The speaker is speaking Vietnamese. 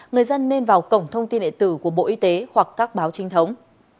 người dân nên vào cổng thông tin đệ tử của bộ y tế hoặc các báo trinh thống